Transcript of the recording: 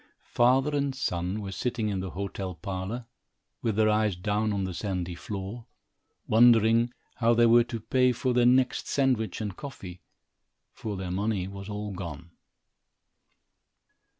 Father and son were sitting in the hotel parlor, with their eyes down on the sandy floor, wondering how they were to pay for their next sandwich and coffee, for their money was all gone.